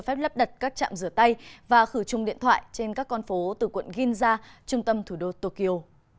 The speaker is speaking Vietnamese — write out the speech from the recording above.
cho phép lắp đặt các trạm rửa tay và khử trùng điện thoại trên các con phố từ quận ginza trung tâm thủ đô tokyo